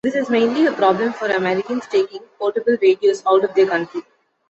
This is mainly a problem for Americans taking portable radios out of their country.